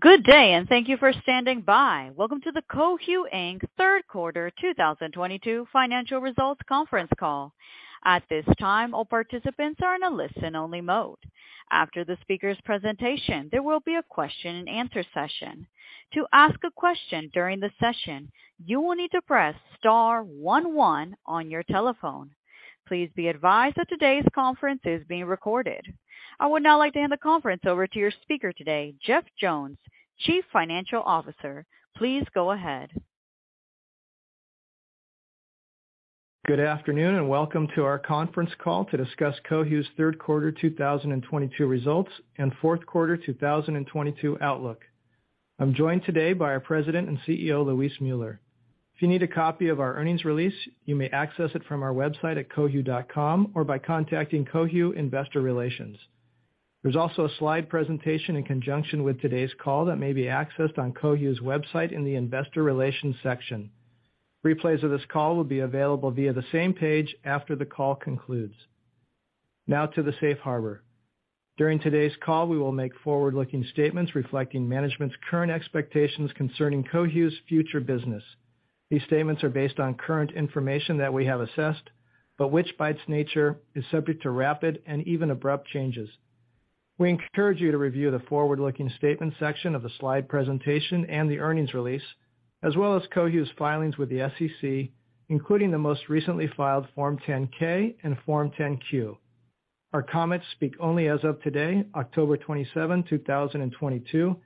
Good day, and thank you for standing by. Welcome to the Cohu, Inc. Third Quarter 2022 Financial Results Conference Call. At this time, all participants are in a listen-only mode. After the speaker's presentation, there will be a question and answer session. To ask a question during the session, you will need to press star one one on your telephone. Please be advised that today's conference is being recorded. I would now like to hand the conference over to your speaker today, Jeff Jones, Chief Financial Officer. Please go ahead. Good afternoon, and welcome to our conference call to discuss Cohu's third quarter 2022 results and fourth quarter 2022 outlook. I'm joined today by our President and CEO, Luis Müller. If you need a copy of our earnings release, you may access it from our website at cohu.com or by contacting Cohu Investor Relations. There's also a slide presentation in conjunction with today's call that may be accessed on Cohu's website in the Investor Relations section. Replays of this call will be available via the same page after the call concludes. Now to the safe harbor. During today's call, we will make forward-looking statements reflecting management's current expectations concerning Cohu's future business. These statements are based on current information that we have assessed, but which by its nature, is subject to rapid and even abrupt changes. We encourage you to review the forward-looking statement section of the slide presentation and the earnings release, as well as Cohu's filings with the SEC, including the most recently filed Form 10-K and Form 10-Q. Our comments speak only as of today, October 27, 2022,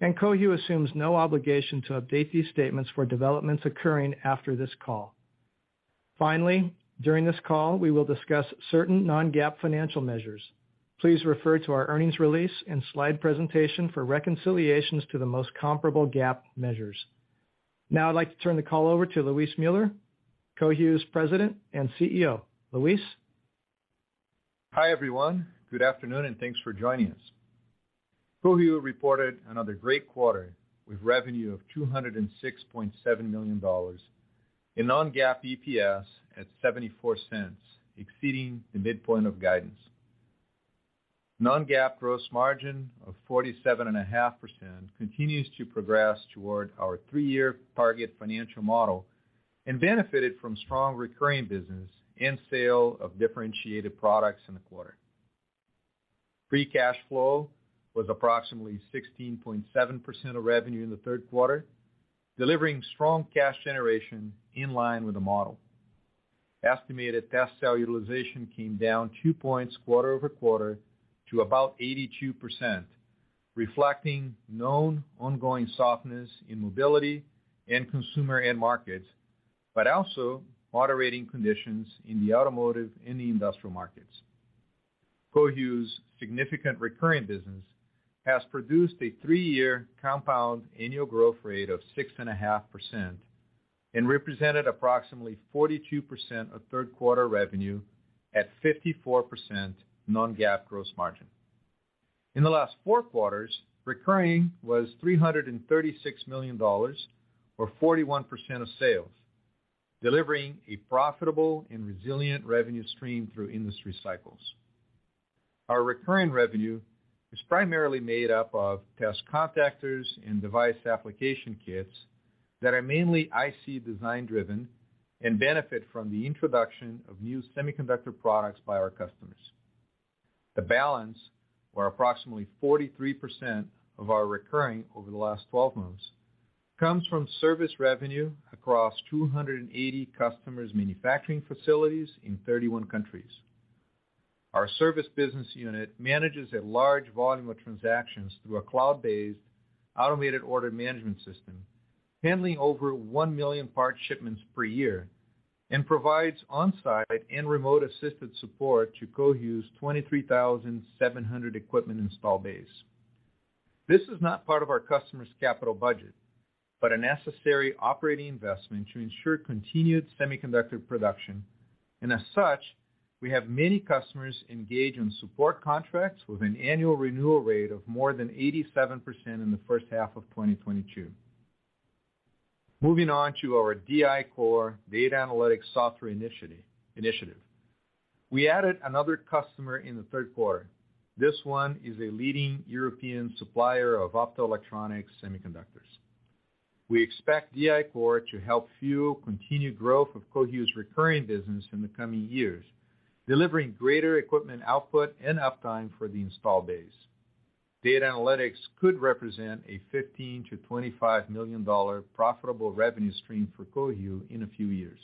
and Cohu assumes no obligation to update these statements for developments occurring after this call. Finally, during this call, we will discuss certain non-GAAP financial measures. Please refer to our earnings release and slide presentation for reconciliations to the most comparable GAAP measures. Now I'd like to turn the call over to Luis Müller, Cohu's President and CEO. Luis. Hi, everyone. Good afternoon, and thanks for joining us. Cohu reported another great quarter with revenue of $206.7 million, a non-GAAP EPS at $0.74, exceeding the midpoint of guidance. Non-GAAP gross margin of 47.5% continues to progress toward our three-year target financial model, and benefited from strong recurring business and sale of differentiated products in the quarter. Free cash flow was approximately 16.7% of revenue in the third quarter, delivering strong cash generation in line with the model. Estimated test cell utilization came down two points quarter-over-quarter to about 82%, reflecting known ongoing softness in mobility and consumer end markets, but also moderating conditions in the automotive and the industrial markets. Cohu's significant recurring business has produced a three-year compound annual growth rate of 6.5% and represented approximately 42% of third quarter revenue at 54% non-GAAP gross margin. In the last four quarters, recurring was $336 million or 41% of sales, delivering a profitable and resilient revenue stream through industry cycles. Our recurring revenue is primarily made up of test contactors and device application kits that are mainly IC design-driven and benefit from the introduction of new semiconductor products by our customers. The balance, or approximately 43% of our recurring over the last 12 months, comes from service revenue across 280 customers' manufacturing facilities in 31 countries. Our service business unit manages a large volume of transactions through a cloud-based automated order management system, handling over one million part shipments per year, and provides on-site and remote assisted support to Cohu's 23,700 equipment installed base. This is not part of our customers' capital budget, but a necessary operating investment to ensure continued semiconductor production. As such, we have many customers engage in support contracts with an annual renewal rate of more than 87% in the first half of 2022. Moving on to our DI-Core data analytics software initiative. We added another customer in the third quarter. This one is a leading European supplier of optoelectronics semiconductors. We expect DI-Core to help fuel continued growth of Cohu's recurring business in the coming years, delivering greater equipment output and uptime for the installed base. Data analytics could represent a $15-$25 million profitable revenue stream for Cohu in a few years.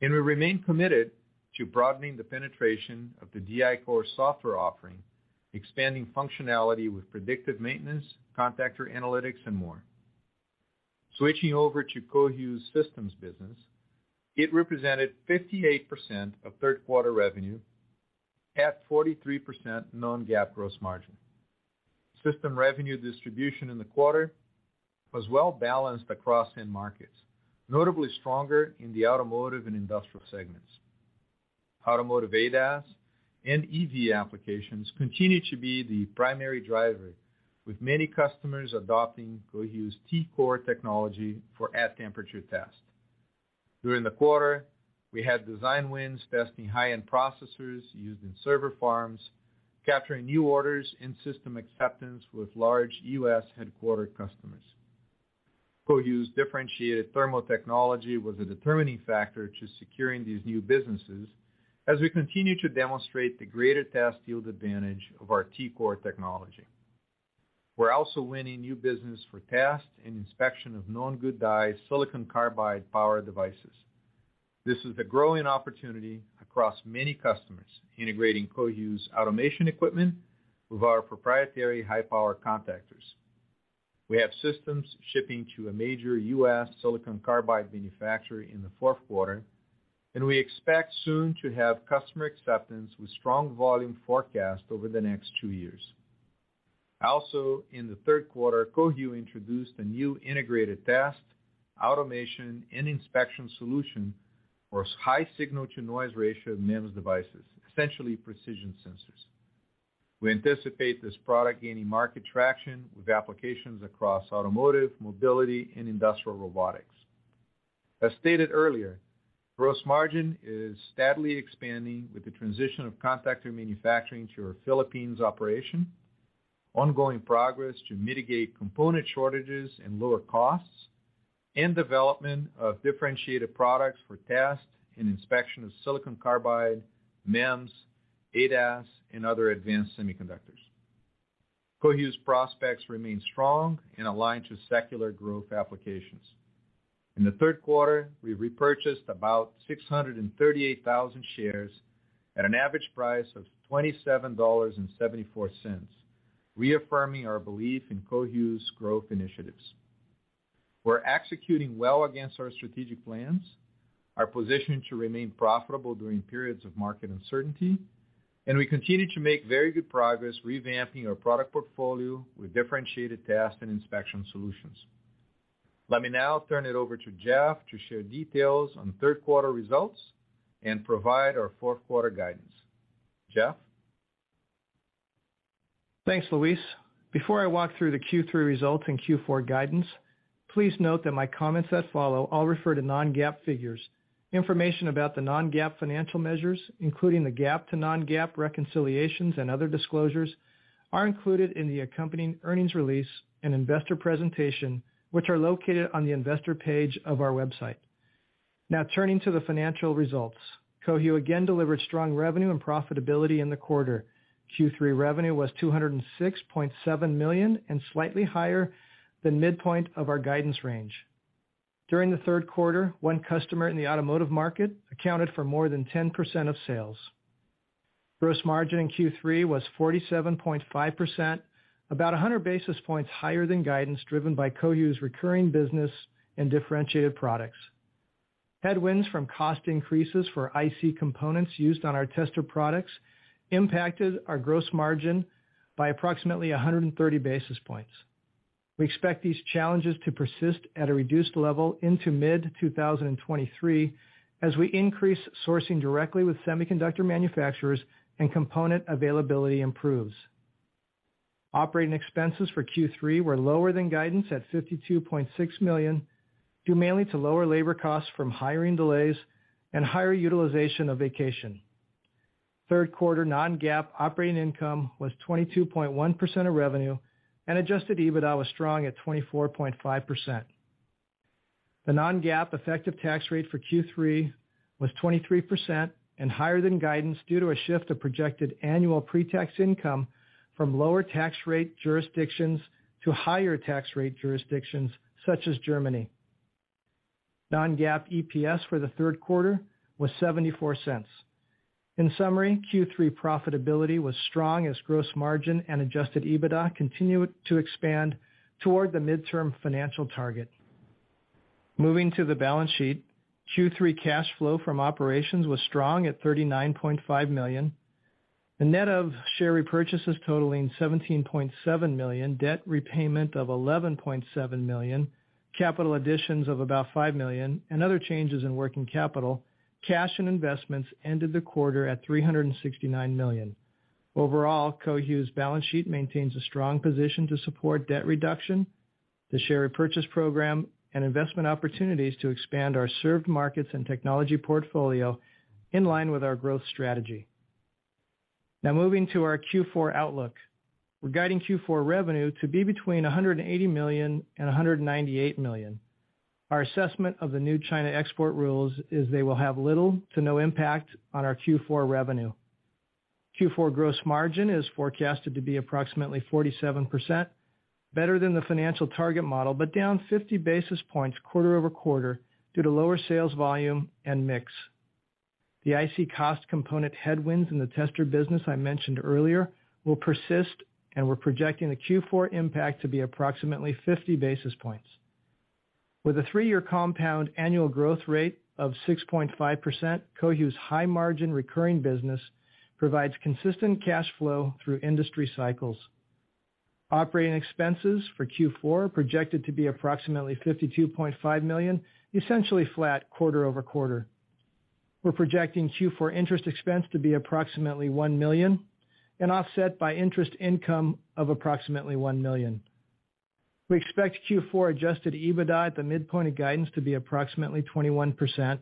We remain committed to broadening the penetration of the DI-Core software offering, expanding functionality with predictive maintenance, contactor analytics, and more. Switching over to Cohu's systems business, it represented 58% of third quarter revenue at 43% non-GAAP gross margin. System revenue distribution in the quarter was well-balanced across end markets, notably stronger in the automotive and industrial segments. Automotive ADAS and EV applications continue to be the primary driver, with many customers adopting Cohu's T-Core technology for at-temperature test. During the quarter, we had design wins testing high-end processors used in server farms, capturing new orders and system acceptance with large U.S. headquartered customers. Cohu's differentiated thermal technology was a determining factor to securing these new businesses as we continue to demonstrate the greater test yield advantage of our T-Core technology. We're also winning new business for test and inspection of known good dies silicon carbide power devices. This is the growing opportunity across many customers integrating Cohu's automation equipment with our proprietary high-power contactors. We have systems shipping to a major U.S. silicon carbide manufacturer in the fourth quarter, and we expect soon to have customer acceptance with strong volume forecast over the next two years. Also, in the third quarter, Cohu introduced a new integrated test, automation, and inspection solution for high signal-to-noise ratio of NEMS devices, essentially precision sensors. We anticipate this product gaining market traction with applications across automotive, mobility, and industrial robotics. As stated earlier, gross margin is steadily expanding with the transition of contactor manufacturing to our Philippines operation, ongoing progress to mitigate component shortages and lower costs, and development of differentiated products for test and inspection of silicon carbide, NEMS, ADAS, and other advanced semiconductors. Cohu's prospects remain strong and aligned to secular growth applications. In the third quarter, we repurchased about 638,000 shares at an average price of $27.74, reaffirming our belief in Cohu's growth initiatives. We're executing well against our strategic plans, are positioned to remain profitable during periods of market uncertainty, and we continue to make very good progress revamping our product portfolio with differentiated test and inspection solutions. Let me now turn it over to Jeff to share details on third quarter results and provide our fourth quarter guidance. Jeff? Thanks, Luis. Before I walk through the Q3 results and Q4 guidance, please note that my comments that follow all refer to non-GAAP figures. Information about the non-GAAP financial measures, including the GAAP to non-GAAP reconciliations and other disclosures, are included in the accompanying earnings release and investor presentation, which are located on the investor page of our website. Now turning to the financial results. Cohu again delivered strong revenue and profitability in the quarter. Q3 revenue was $206.7 million and slightly higher than midpoint of our guidance range. During the third quarter, one customer in the automotive market accounted for more than 10% of sales. Gross margin in Q3 was 47.5%, about 100 basis points higher than guidance driven by Cohu's recurring business and differentiated products. Headwinds from cost increases for IC components used on our tester products impacted our gross margin by approximately 100 basis points. We expect these challenges to persist at a reduced level into mid-2023, as we increase sourcing directly with semiconductor manufacturers and component availability improves. Operating expenses for Q3 were lower than guidance at $52.6 million, due mainly to lower labor costs from hiring delays and higher utilization of vacation. Third quarter non-GAAP operating income was 22.1% of revenue, and adjusted EBITDA was strong at 24.5%. The non-GAAP effective tax rate for Q3 was 23% and higher than guidance due to a shift of projected annual pre-tax income from lower tax rate jurisdictions to higher tax rate jurisdictions such as Germany. Non-GAAP EPS for the third quarter was $0.74. In summary, Q3 profitability was strong as gross margin and adjusted EBITDA continued to expand toward the midterm financial target. Moving to the balance sheet. Q3 cash flow from operations was strong at $39.5 million. The net of share repurchases totaling $17.7 million, debt repayment of $11.7 million, capital additions of about $5 million, and other changes in working capital, cash and investments ended the quarter at $369 million. Overall, Cohu's balance sheet maintains a strong position to support debt reduction, the share repurchase program, and investment opportunities to expand our served markets and technology portfolio in line with our growth strategy. Now moving to our Q4 outlook. We're guiding Q4 revenue to be between $180 million and $198 million. Our assessment of the new China export rules is they will have little to no impact on our Q4 revenue. Q4 gross margin is forecasted to be approximately 47%, better than the financial target model, but down 50 basis points quarter-over-quarter due to lower sales volume and mix. The IC cost component headwinds in the tester business I mentioned earlier will persist, and we're projecting the Q4 impact to be approximately 50 basis points. With a three-year compound annual growth rate of 6.5%, Cohu's high-margin recurring business provides consistent cash flow through industry cycles. Operating expenses for Q4 are projected to be approximately $52.5 million, essentially flat quarter-over-quarter. We're projecting Q4 interest expense to be approximately $1 million and offset by interest income of approximately $1 million. We expect Q4 adjusted EBITDA at the midpoint of guidance to be approximately 21%.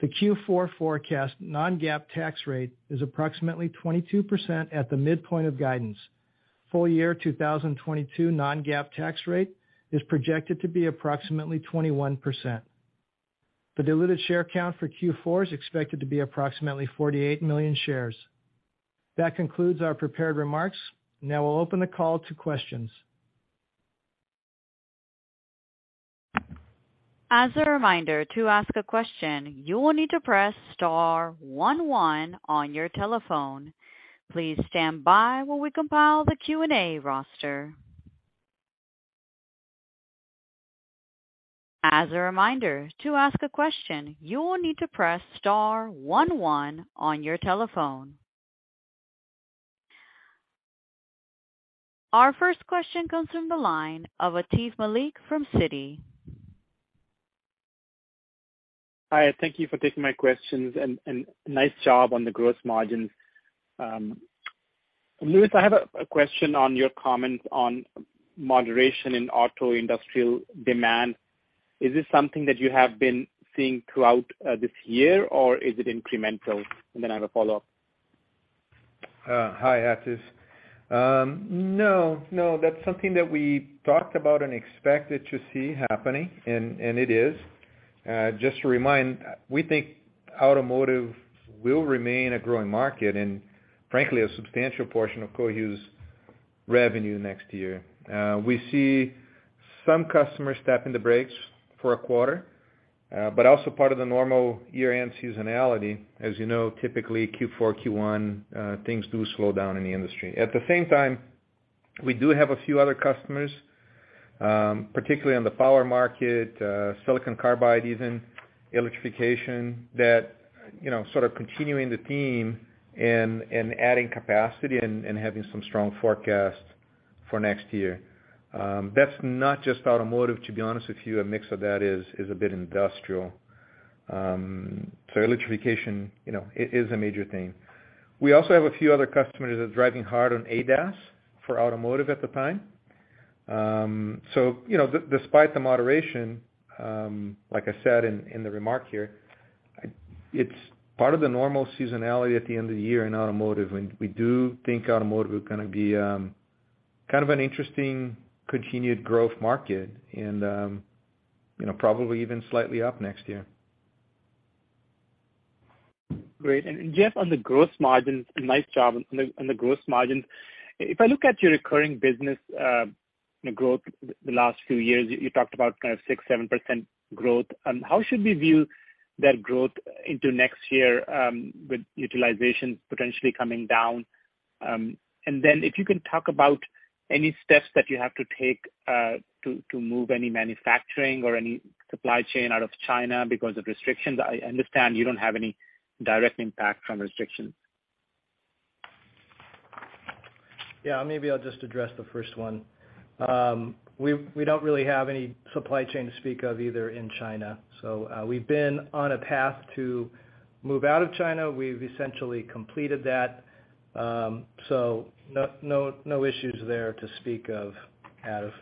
The Q4 forecast non-GAAP tax rate is approximately 22% at the midpoint of guidance. Full year 2022 non-GAAP tax rate is projected to be approximately 21%. The diluted share count for Q4 is expected to be approximately 48 million shares. That concludes our prepared remarks. Now we'll open the call to questions. As a reminder, to ask a question, you will need to press star one one on your telephone. Please stand by while we compile the Q&A roster. As a reminder, to ask a question, you will need to press star one one on your telephone. Our first question comes from the line of Atif Malik from Citi. Hi, thank you for taking my questions and nice job on the gross margins. Luis, I have a question on your comments on moderation in auto industrial demand. Is this something that you have been seeing throughout this year, or is it incremental? I have a follow-up. Hi, Atif. No, that's something that we talked about and expected to see happening, and it is. Just to remind, we think automotive will remain a growing market and frankly, a substantial portion of Cohu's revenue next year. We see some customers stepping on the brakes for a quarter, but also part of the normal year-end seasonality. As you know, typically Q4, Q1, things do slow down in the industry. At the same time, we do have a few other customers, particularly on the power market, silicon carbide even, electrification, that you know sort of continuing the theme and adding capacity and having some strong forecasts for next year. That's not just automotive, to be honest with you. A mix of that is a bit industrial. Electrification, you know, is a major thing. We also have a few other customers that are driving hard on ADAS for automotive at the time. You know, despite the moderation, like I said in the remark here, it's part of the normal seasonality at the end of the year in automotive, and we do think automotive is gonna be kind of an interesting continued growth market and, you know, probably even slightly up next year. Great. Jeff, on the gross margins, nice job on the gross margins. If I look at your recurring business, growth the last few years, you talked about kind of 6%-7% growth. How should we view that growth into next year, with utilization potentially coming down? If you can talk about any steps that you have to take to move any manufacturing or any supply chain out of China because of restrictions. I understand you don't have any direct impact from restrictions. Yeah, maybe I'll just address the first one. We don't really have any supply chain to speak of either in China. We've been on a path to move out of China. We've essentially completed that. No issues there to speak of, Atif.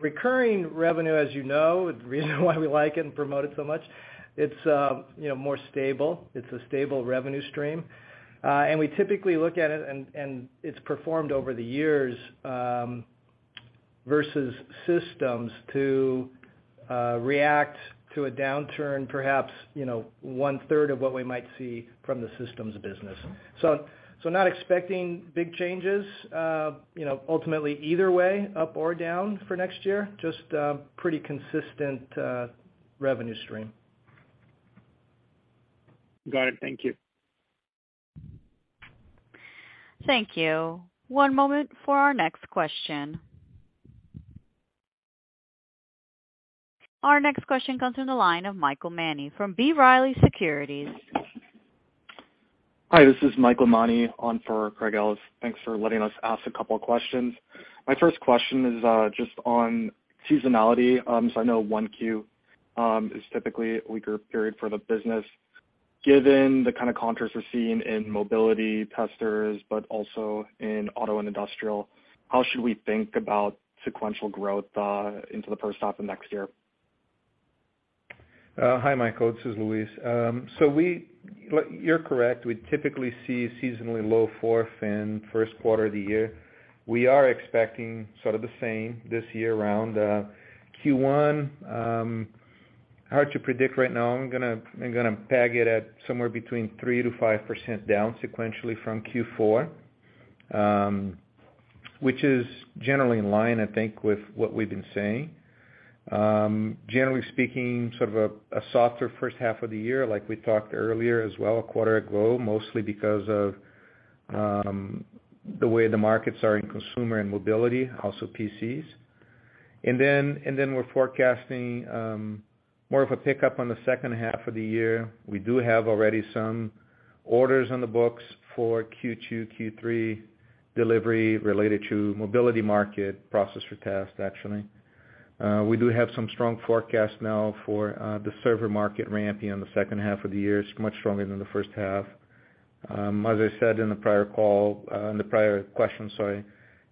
Recurring revenue, as you know, the reason why we like it and promote it so much, it's you know, more stable. It's a stable revenue stream. We typically look at it and it's performed over the years versus systems to react to a downturn, perhaps, you know, one-third of what we might see from the systems business. Not expecting big changes you know, ultimately either way, up or down for next year, just pretty consistent revenue stream. Got it. Thank you. Thank you. One moment for our next question. Our next question comes from the line of Michael Mani from B. Riley Securities. Hi, this is Michael Mani on for Craig Ellis. Thanks for letting us ask a couple of questions. My first question is just on seasonality. So I know one Q is typically a weaker period for the business. Given the kind of contrast we're seeing in mobility testers, but also in auto and industrial, how should we think about sequential growth into the first half of next year? Hi, Michael Mani. This is Luis Müller. You're correct. We typically see seasonally low fourth and first quarter of the year. We are expecting sort of the same this year around Q1. Hard to predict right now. I'm gonna peg it at somewhere between 3%-5% down sequentially from Q4, which is generally in line, I think, with what we've been saying. Generally speaking, sort of a softer first half of the year, like we talked earlier as well, quarterly low, mostly because of the way the markets are in consumer and mobility, also PCs. We're forecasting more of a pickup on the second half of the year. We do have already some orders on the books for Q2, Q3 delivery related to mobility market processor test, actually. We do have some strong forecasts now for the server market ramping in the second half of the year. It's much stronger than the first half. As I said in the prior call, in the prior question, sorry,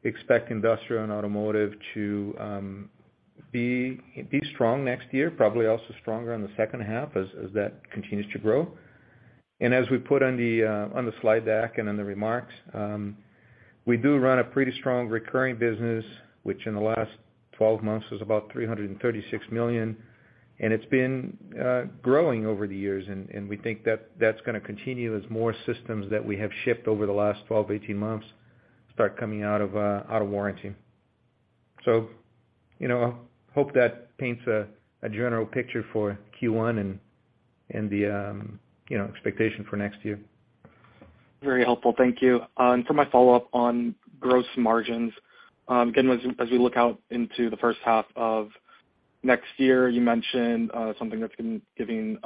expect industrial and automotive to be strong next year, probably also stronger in the second half as that continues to grow. As we put on the slide deck and in the remarks, we do run a pretty strong recurring business, which in the last 12 months was about $336 million, and it's been growing over the years. We think that that's gonna continue as more systems that we have shipped over the last 12-18 months start coming out of warranty. You know, hope that paints a general picture for Q1 and the expectation for next year. Very helpful. Thank you. For my follow-up on gross margins, again, as we look out into the first half of next year, you mentioned something that's been giving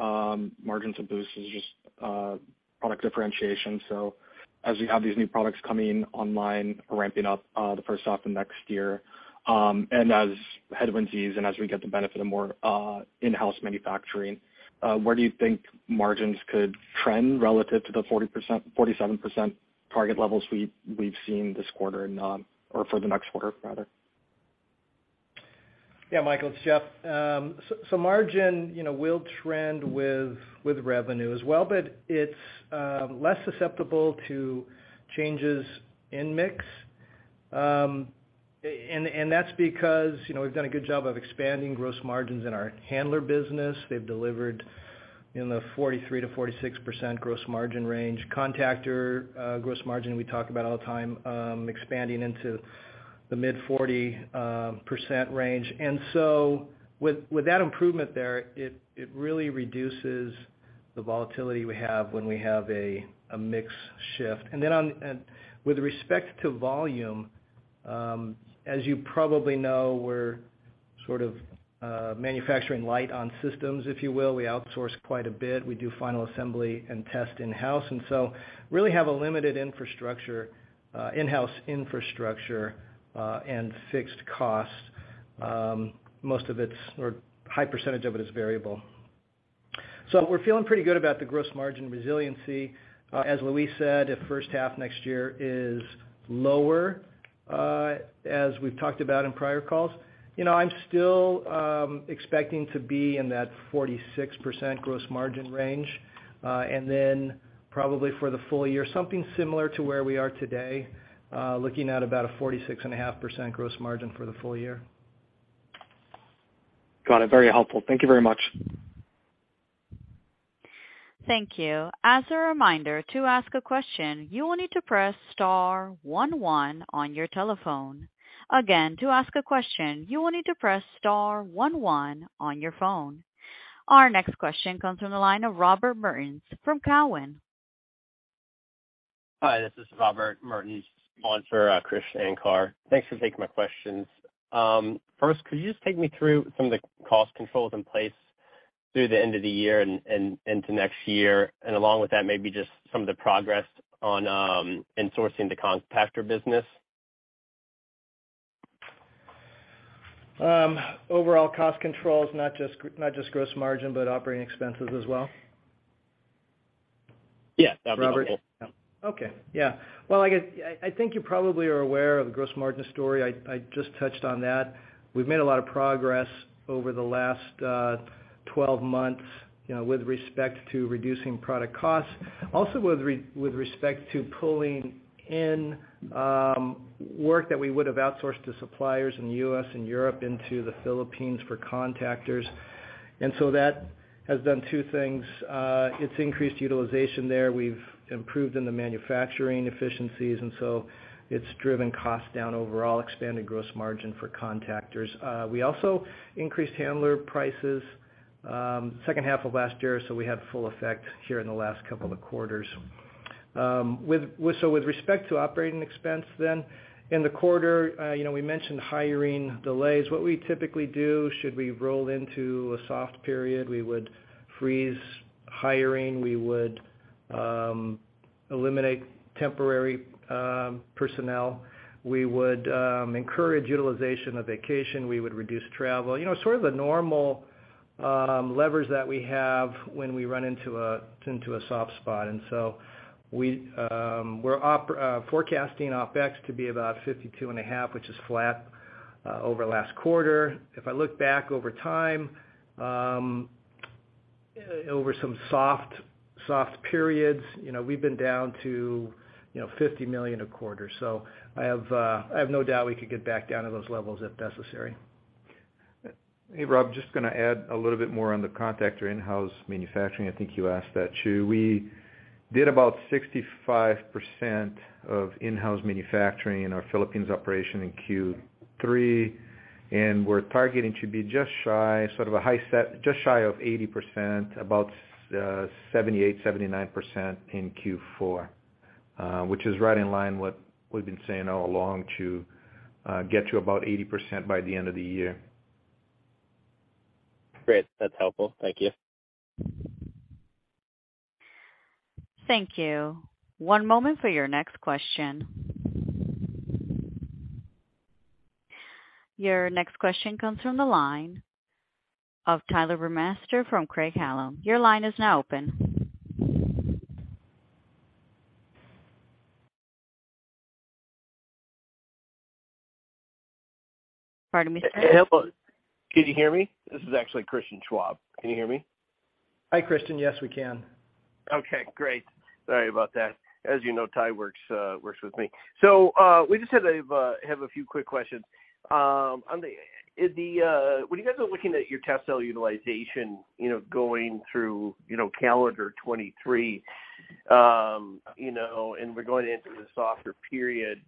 margins a boost is just product differentiation. So as we have these new products coming online, ramping up the first half of next year, and as headwinds ease and as we get the benefit of more in-house manufacturing, where do you think margins could trend relative to the 40%-47% target levels we've seen this quarter or for the next quarter, rather? Yeah, Michael, it's Jeff. Margin, you know, will trend with revenue as well, but it's less susceptible to changes in mix. That's because, you know, we've done a good job of expanding gross margins in our handler business. They've delivered in the 43%-46% gross margin range. Contactor gross margin, we talk about all the time, expanding into the mid-40% range. With that improvement there, it really reduces the volatility we have when we have a mix shift. On with respect to volume, as you probably know, we're sort of manufacturing light on systems, if you will. We outsource quite a bit. We do final assembly and test in-house, really have a limited in-house infrastructure and fixed costs. Most of it's or high percentage of it is variable. We're feeling pretty good about the gross margin resiliency. As Luis said, if first half next year is lower, as we've talked about in prior calls, you know, I'm still expecting to be in that 46% gross margin range. Then probably for the full year, something similar to where we are today, looking at about a 46.5% gross margin for the full year. Got it. Very helpful. Thank you very much. Thank you. As a reminder, to ask a question, you will need to press star one one on your telephone. Again, to ask a question, you will need to press star one one on your phone. Our next question comes from the line of Robert Mertens from TD Cowen. Hi, this is Robert Mertens, sponsor, Krish Sankar. Thanks for taking my questions. First, could you just take me through some of the cost controls in place through the end of the year and into next year? Along with that, maybe just some of the progress on insourcing the contactor business. Overall cost control is not just gross margin, but operating expenses as well? Yeah. Okay. Yeah. Well, I think you probably are aware of the gross margin story. I just touched on that. We've made a lot of progress over the last 12 months, you know, with respect to reducing product costs. Also with respect to pulling in work that we would have outsourced to suppliers in the U.S. and Europe into the Philippines for contractors. That has done two things. It's increased utilization there. We've improved in the manufacturing efficiencies, and so it's driven costs down overall, expanded gross margin for contractors. We also increased handler prices second half of last year, so we have full effect here in the last couple of quarters. With respect to operating expense then, in the quarter, you know, we mentioned hiring delays. What we typically do, should we roll into a soft period, we would freeze hiring, we would eliminate temporary personnel. We would encourage utilization of vacation. We would reduce travel. You know, sort of the normal levers that we have when we run into a soft spot. We're forecasting OpEx to be about $52.5 million, which is flat over last quarter. If I look back over time, over some soft periods, you know, we've been down to, you know, $50 million a quarter. I have no doubt we could get back down to those levels if necessary. Hey, Rob. Just gonna add a little bit more on the contactor in-house manufacturing. I think you asked that, too. We did about 65% of in-house manufacturing in our Philippines operation in Q3, and we're targeting to be just shy, sort of a high set, just shy of 80%, about 78%-79% in Q4, which is right in line with what we've been saying all along to get to about 80% by the end of the year. Great. That's helpful. Thank you. Thank you. One moment for your next question. Your next question comes from the line of Christian Schwab from Craig-Hallum. Your line is now open. Pardon me, sir. Hello. Can you hear me? This is actually Christian Schwab. Can you hear me? Hi, Christian. Yes, we can. Okay, great. Sorry about that. As you know, Ty works with me. We just have a few quick questions. When you guys are looking at your test cell utilization, you know, going through 2023, you know, and we're going into the softer period,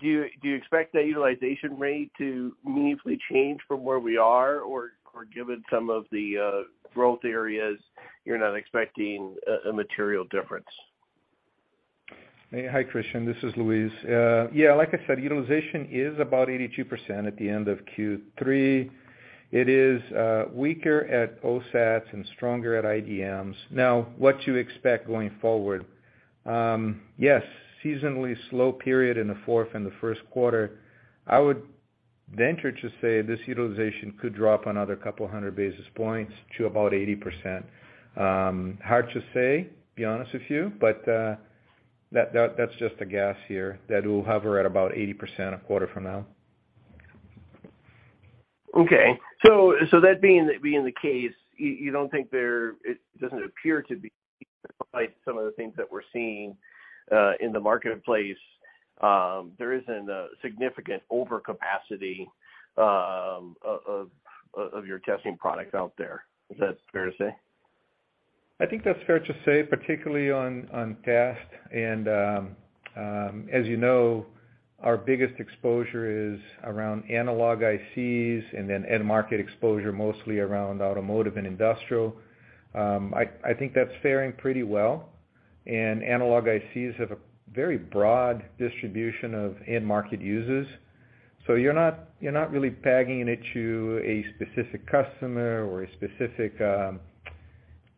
do you expect that utilization rate to meaningfully change from where we are or given some of the growth areas you're not expecting a material difference? Hi, Christian, this is Luis. Yeah, like I said, utilization is about 82% at the end of Q3. It is weaker at OSATs and stronger at IDMs. Now, what to expect going forward. Yes, seasonally slow period in the fourth and the first quarter. I would venture to say this utilization could drop another couple hundred basis points to about 80%. Hard to say, to be honest with you, but that's just a guess here that it will hover at about 80% a quarter from now. Okay. That being the case, you don't think it doesn't appear to be some of the things that we're seeing in the marketplace, there isn't a significant overcapacity of your testing products out there. Is that fair to say? I think that's fair to say, particularly on test. As you know, our biggest exposure is around analog ICs and then end market exposure mostly around automotive and industrial. I think that's faring pretty well. Analog ICs have a very broad distribution of end market users. You're not really pegging it to a specific customer or a specific,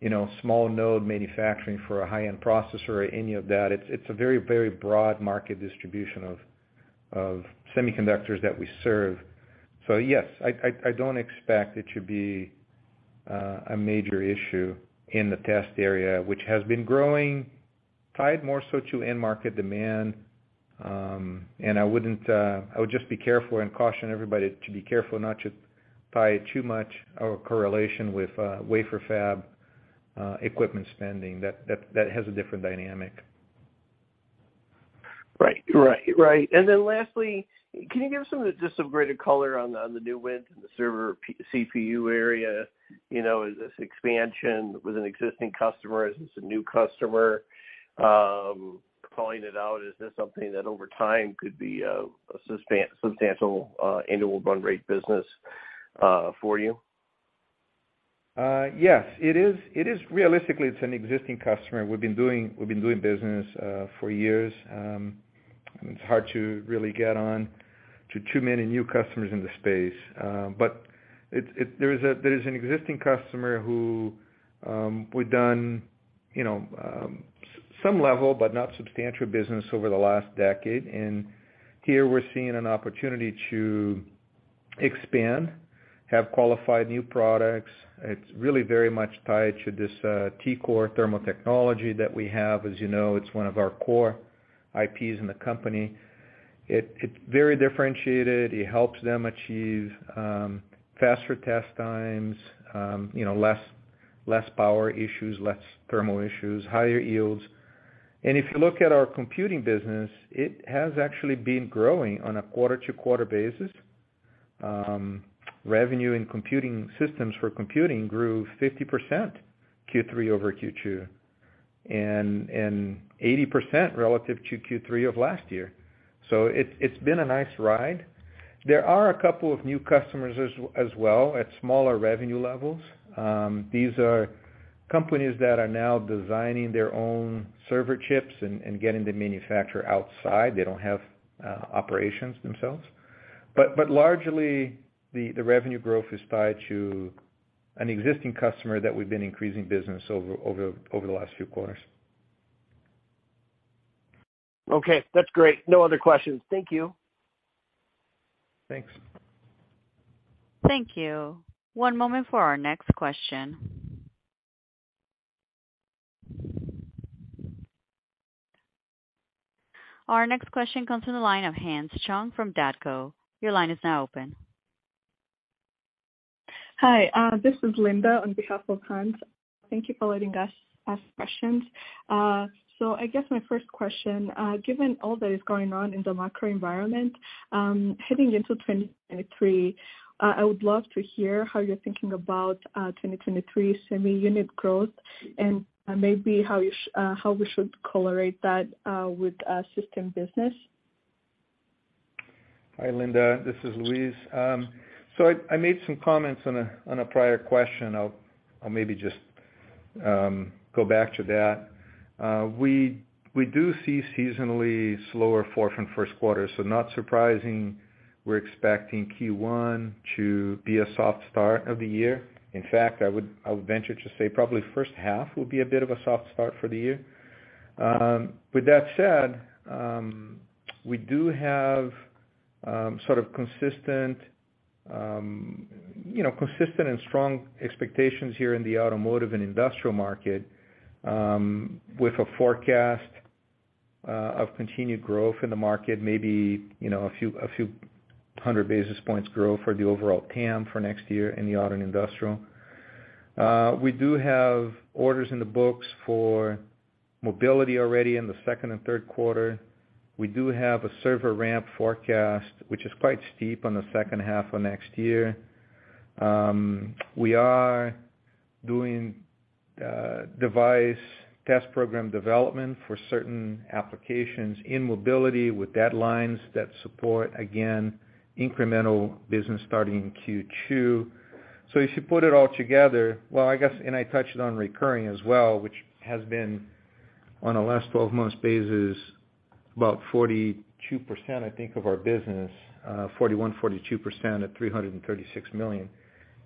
you know, small node manufacturing for a high-end processor or any of that. It's a very broad market distribution of semiconductors that we serve. Yes, I don't expect it to be a major issue in the test area, which has been growing tied more so to end market demand. I would just be careful and caution everybody to be careful not to tie too much of a correlation with wafer fab equipment spending. That has a different dynamic. Right. Lastly, can you give us some, just some greater color on the new wins in the server PC CPU area? You know, is this expansion with an existing customer? Is this a new customer? Calling it out, is this something that over time could be a substantial annual run rate business for you? Yes. It is. Realistically, it's an existing customer. We've been doing business for years. It's hard to really get on to too many new customers in the space. There is an existing customer who we've done, you know, some level but not substantial business over the last decade. Here we're seeing an opportunity to expand, have qualified new products. It's really very much tied to this T-Core thermal technology that we have. As you know, it's one of our core IPs in the company. It's very differentiated. It helps them achieve faster test times, you know, less power issues, less thermal issues, higher yields. If you look at our computing business, it has actually been growing on a quarter-to-quarter basis. Revenue in computing systems for computing grew 50% Q3 over Q2 and 80% relative to Q3 of last year. It's been a nice ride. There are a couple of new customers as well at smaller revenue levels. These are companies that are now designing their own server chips and getting to manufacture outside. They don't have operations themselves. Largely, the revenue growth is tied to an existing customer that we've been increasing business over the last few quarters. Okay. That's great. No other questions. Thank you. Thanks. Thank you. One moment for our next question. Our next question comes from the line of Hans Chung from D.A. Davidson & Co. Your line is now open. Hi. This is Linda on behalf of Hans. Thank you for letting us ask questions. I guess my first question, given all that is going on in the macro environment, heading into 2023, I would love to hear how you're thinking about 2023 semi unit growth and maybe how we should correlate that with system business. Hi, Linda. This is Luis. I made some comments on a prior question. I'll maybe just go back to that. We do see seasonally slower fourth and first quarters, so not surprising, we're expecting Q1 to be a soft start of the year. In fact, I would venture to say probably first half will be a bit of a soft start for the year. With that said, we do have sort of consistent, you know, consistent and strong expectations here in the automotive and industrial market, with a forecast of continued growth in the market, maybe, you know, a few hundred basis points growth for the overall TAM for next year in the auto and industrial. We do have orders in the books for mobility already in the second and third quarter. We do have a server ramp forecast, which is quite steep on the second half of next year. We are doing device test program development for certain applications in mobility with deadlines that support, again, incremental business starting in Q2. If you put it all together. Well, I guess, I touched on recurring as well, which has been on a last twelve months basis, about 42%, I think, of our business, 41%-42% at $336 million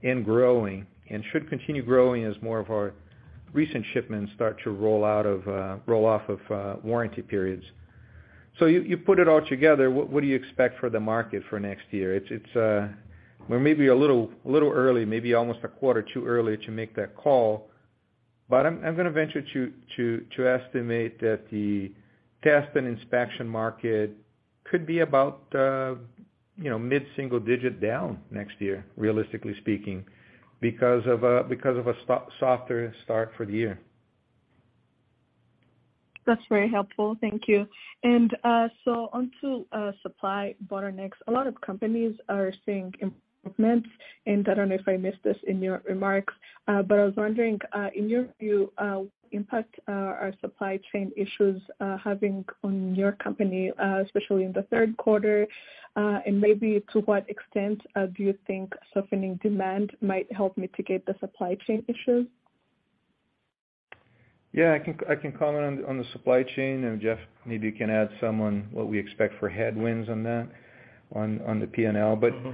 and growing, and should continue growing as more of our recent shipments start to roll off of warranty periods. You put it all together, what do you expect for the market for next year? It's well, maybe a little early, maybe almost a quarter too early to make that call. I'm gonna venture to estimate that the test and inspection market could be about, you know, mid-single digit down next year, realistically speaking, because of a softer start for the year. That's very helpful. Thank you. Onto supply bottlenecks. A lot of companies are seeing improvements, and I don't know if I missed this in your remarks, but I was wondering, in your view, what impact are supply chain issues having on your company, especially in the third quarter? Maybe to what extent do you think softening demand might help mitigate the supply chain issues? Yeah. I can comment on the supply chain, and Jeff, maybe you can add some on what we expect for headwinds on that, on the P&L. Mm-hmm.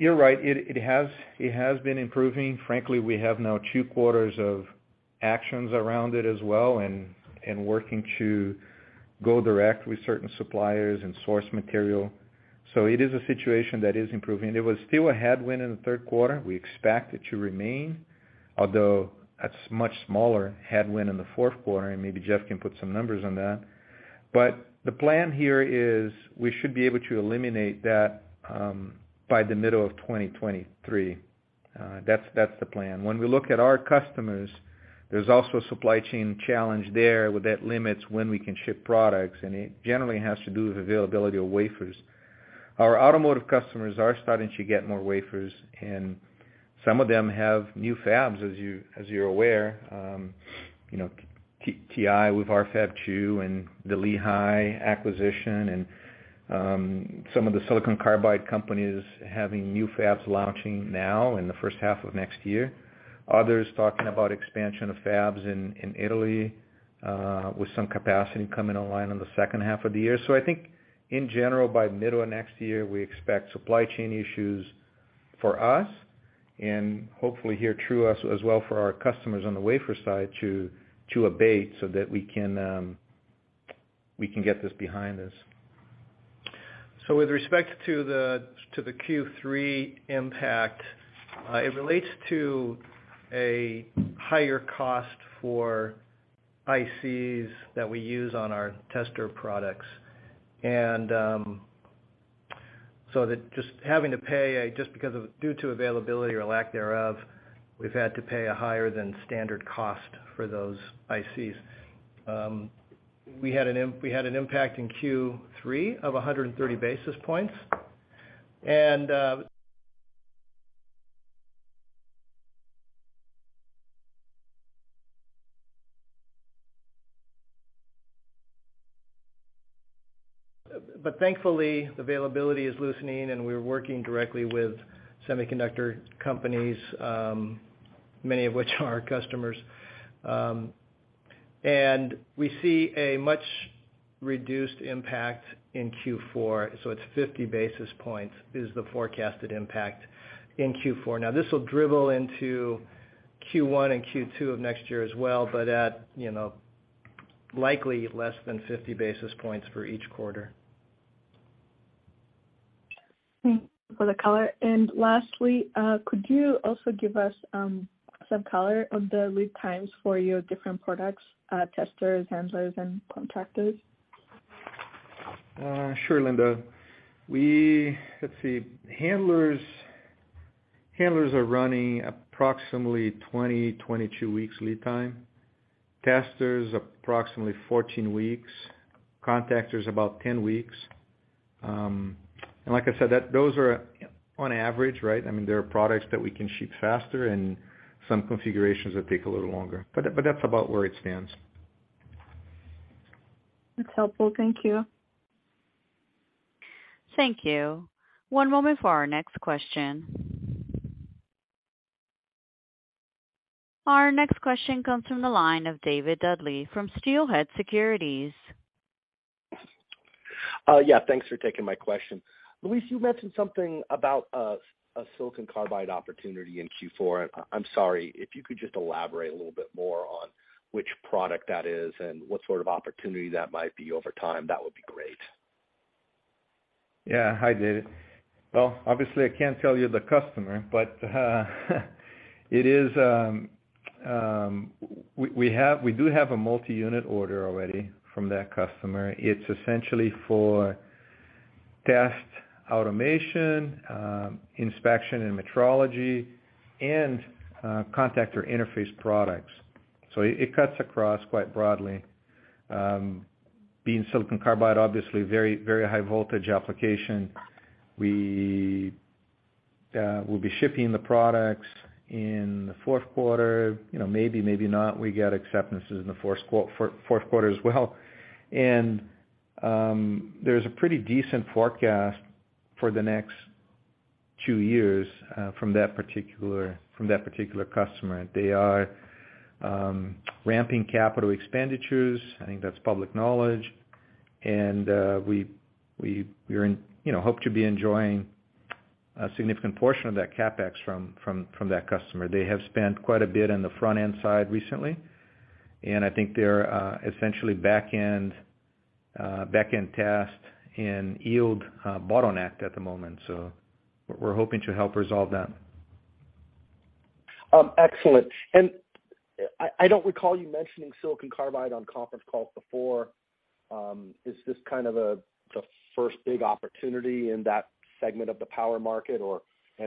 You're right. It has been improving. Frankly, we have now two quarters of actions around it as well and working to go direct with certain suppliers and source material. It is a situation that is improving. It was still a headwind in the third quarter. We expect it to remain, although much smaller headwind in the fourth quarter, and maybe Jeff can put some numbers on that. The plan here is we should be able to eliminate that by the middle of 2023. That's the plan. When we look at our customers, there's also a supply chain challenge there with that limits when we can ship products, and it generally has to do with availability of wafers. Our automotive customers are starting to get more wafers, and some of them have new fabs, as you, as you're aware. You know, TI with our Fab Two and the Lehi acquisition and, some of the silicon carbide companies having new fabs launching now in the first half of next year. Others talking about expansion of fabs in Italy with some capacity coming online in the second half of the year. I think in general, by middle of next year, we expect supply chain issues for us and hopefully here through us as well for our customers on the wafer side to abate so that we can get this behind us. With respect to the Q3 impact, it relates to a higher cost for ICs that we use on our tester products. Due to availability or lack thereof, we've had to pay a higher than standard cost for those ICs. We had an impact in Q3 of 130 basis points. Thankfully, availability is loosening, and we're working directly with semiconductor companies, many of which are our customers. We see a much reduced impact in Q4, so it's 50 basis points, the forecasted impact in Q4. Now, this will dribble into Q1 and Q2 of next year as well, but likely less than 50 basis points for each quarter. Thank you for the color. Lastly, could you also give us some color on the lead times for your different products, testers, handlers, and contactors? Sure, Linda. Let's see. Handlers are running approximately 20-22 weeks lead time. Testers, approximately 14 weeks. Contactors, about 10 weeks. Like I said, those are on average, right? I mean, there are products that we can ship faster and some configurations that take a little longer, but that's about where it stands. That's helpful. Thank you. Thank you. One moment for our next question. Our next question comes from the line of David Duley from Steelhead Securities. Yeah, thanks for taking my question. Luis, you mentioned something about a silicon carbide opportunity in Q4. I'm sorry, if you could just elaborate a little bit more on which product that is and what sort of opportunity that might be over time, that would be great. Yeah. Hi, David. Well, obviously, I can't tell you the customer, but it is we do have a multi-unit order already from that customer. It's essentially for test automation, inspection and metrology and contact or interface products. So it cuts across quite broadly, being silicon carbide, obviously very, very high voltage application. We will be shipping the products in the fourth quarter, you know, maybe not. We get acceptances in the fourth quarter as well. There's a pretty decent forecast for the next two years from that particular customer. They are ramping capital expenditures. I think that's public knowledge. You know, hope to be enjoying a significant portion of that CapEx from that customer. They have spent quite a bit on the front-end side recently, and I think they're essentially back-end test and yield bottleneck at the moment. We're hoping to help resolve that. Excellent. I don't recall you mentioning silicon carbide on conference calls before. Is this kind of a the first big opportunity in that segment of the power market? Or could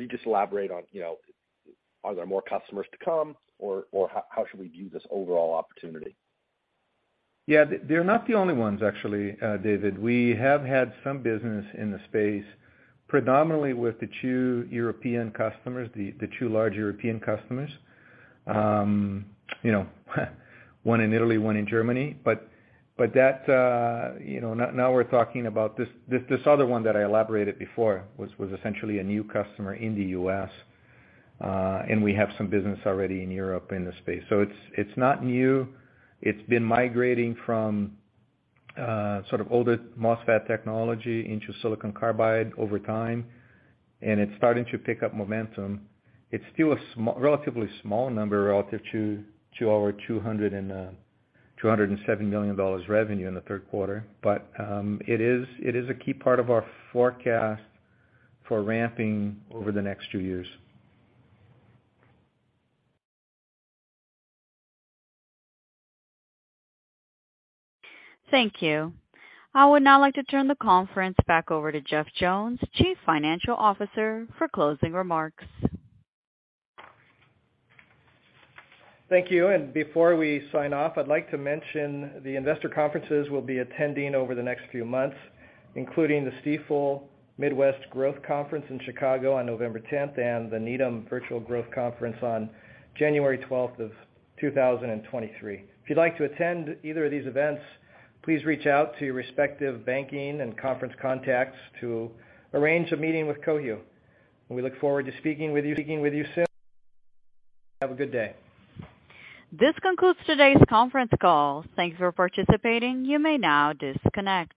you just elaborate on, you know, are there more customers to come, or how should we view this overall opportunity? Yeah, they're not the only ones actually, David. We have had some business in the space, predominantly with the two European customers, the two large European customers. You know, one in Italy, one in Germany. That now we're talking about this other one that I elaborated before was essentially a new customer in the U.S. We have some business already in Europe in this space. It's not new. It's been migrating from sort of older MOSFET technology into silicon carbide over time, and it's starting to pick up momentum. It's still a relatively small number relative to our $207 million revenue in the third quarter. It is a key part of our forecast for ramping over the next two years. Thank you. I would now like to turn the conference back over to Jeff Jones, Chief Financial Officer, for closing remarks. Thank you. Before we sign off, I'd like to mention the investor conferences we'll be attending over the next few months, including the Stifel Midwest Growth Conference in Chicago on November tenth and the Needham Virtual Growth Conference on January twelfth of two thousand and twenty-three. If you'd like to attend either of these events, please reach out to your respective banking and conference contacts to arrange a meeting with Cohu. We look forward to speaking with you, speaking with you soon. Have a good day. This concludes today's conference call. Thank you for participating. You may now disconnect.